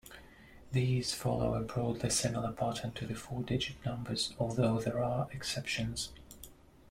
These follow a broadly similar pattern to the four-digit numbers, although there are exceptions.